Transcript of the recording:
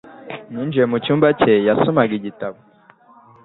Ninjiye mucyumba cye, yasomaga igitabo.